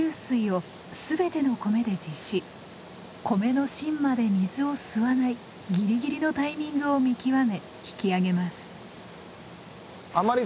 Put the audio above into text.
米の芯まで水を吸わないギリギリのタイミングを見極め引き上げます。